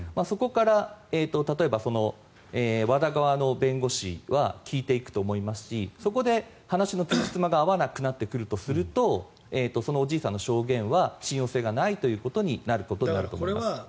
そこから例えばＷＡＤＡ側の弁護士は聞いていくと思いますしそこで話のつじつまが合わなくなってくるとするとそのおじいさんの証言は信用性がないということになると思います。